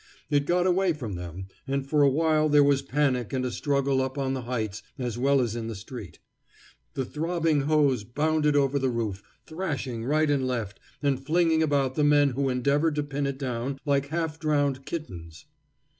It got away from them, and for a while there was panic and a struggle up on the heights as well as in the street. The throbbing hose bounded over the roof, thrashing right and left, and flinging about the men who endeavored to pin it down like half drowned kittens.